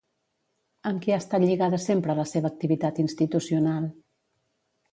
Amb qui ha estat lligada sempre la seva activitat institucional?